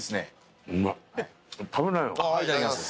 いただきます。